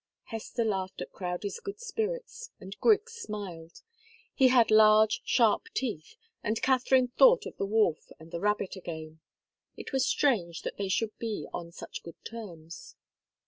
Hester laughed at Crowdie's good spirits, and Griggs smiled. He had large, sharp teeth, and Katharine thought of the wolf and the rabbit again. It was strange that they should be on such good terms.